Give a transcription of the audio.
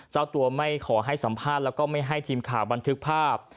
เจ้าตัวไม่ขอให้สัมภาษณ์แล้วก็ไม่ให้ทีมข่าวบันทึกภาพ